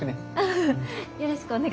よろしくね。